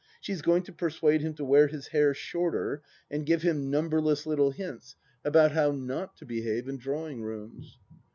She is going to persuade him to wear his hair shorter. s\ud give him numberless little hints about how THE LAST DITCH 267 not to behave in drawing rooms.